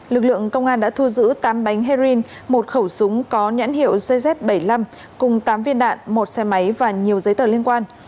lực lượng công an đã thu giữ tám bánh heroin một khẩu súng có nhãn hiệu cz bảy mươi năm cùng tám viên đạn một xe máy và nhiều giấy tờ liên quan